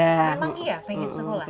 emang iya pengen sekolah